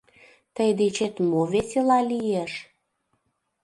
— Тый дечет мо весела лиеш?